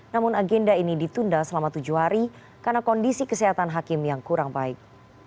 namun agenda ini ditunda selama tujuh hari karena kondisi kesehatan hakim yang kurang baik